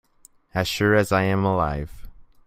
As sure as I am alive.